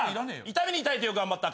「痛みに耐えてよく頑張った。